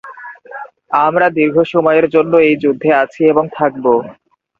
আমরা দীর্ঘ সময়ের জন্য এই যুদ্ধে আছি এবং থাকবো।